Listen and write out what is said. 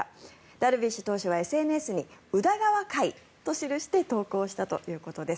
ダルビッシュ投手はＳＮＳに宇田川会と記して投稿したということです。